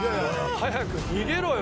早く逃げろよ。